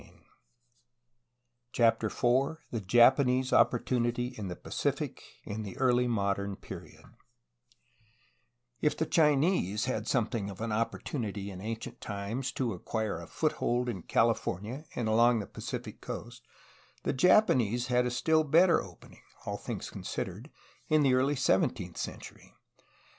j dence that Hwui Shan and a CHAPTER IV THE JAPANESE OPPORTUNITY IN THE PACIFIC IN THE EARLY MODERN PERIOD If the Chinese had something of an opportunity in an cient times to acquire a foothold in California and along the Pacific coast, the Japanese had a still better opening, all things considered, in the early seventeenth century.